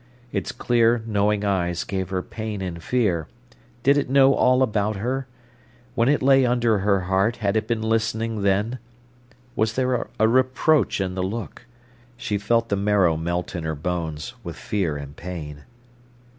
Its clear, knowing eyes gave her pain and fear. Did it know all about her? When it lay under her heart, had it been listening then? Was there a reproach in the look? She felt the marrow melt in her bones, with fear and pain.